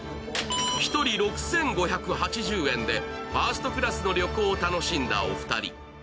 １人６５８０円でファーストクラスの旅行を楽しんだお二人。